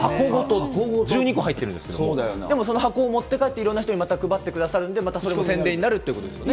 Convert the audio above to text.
１２個入ってるんですけど、でもその箱を持って帰っていろんな人にまた配ってくださるんで、またそれも宣伝になるってことですよね。